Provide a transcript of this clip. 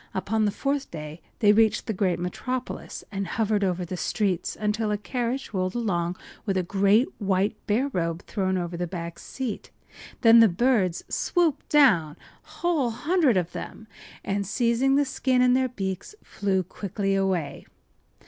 Upon the fourth day they reached the great metropolis, and hovered over the streets until a carriage rolled along with a great white bear robe thrown over the back seat. Then the birds swooped down—the whole hundred of them—and seizing the skin in their beaks flew quickly away.